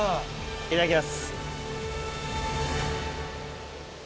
いただきます。